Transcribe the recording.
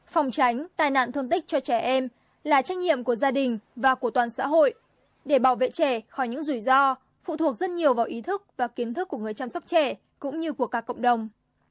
phòng tránh tai nạn thương tích cho trẻ em là trách nhiệm của gia đình và của toàn xã hội để bảo vệ trẻ khỏi những rủi ro phụ thuộc rất nhiều vào ý thức và kiến thức của người chăm sóc trẻ cũng như của cả cộng đồng